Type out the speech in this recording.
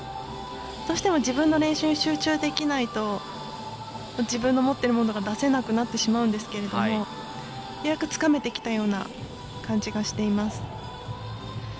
どうしても自分の練習に集中できないと自分の持っているものが出せなくなってしまうんですがようやく、つかめてきたような感じがしています。